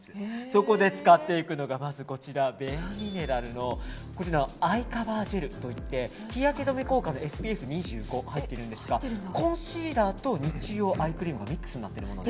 そこで使っていくのがまずこちらベアミネラルのアイカバージェルといって日焼け止め効果のＳＰＦ２５入ってるんですがコンシーラーと日用アイクリームがミックスになってるものです。